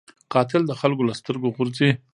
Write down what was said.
قاتل د خلکو له سترګو غورځي